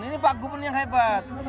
ini pak gubernur yang hebat